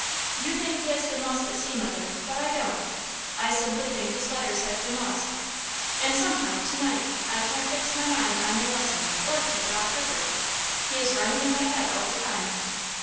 "You think he has been lost at sea, mother, but I don't. I simply think his letters have been lost. And, somehow, tonight I can't fix my mind on my lesson or keep it off Herbert. He is running in my head all the time.